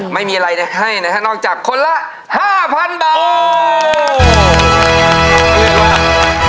ไม่มีอะไรเนี่ยให้นะฮะนอกจากคนละห้าพันบาท